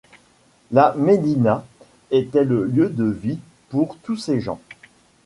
La médina était le lieu de vie pour tous ces gens.